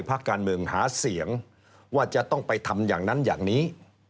พักการเมืองหาเสียงว่าจะต้องไปทำอย่างนั้นอย่างนี้